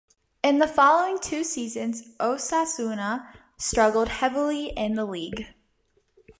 In the following two seasons, Osasuna struggled heavily in the league.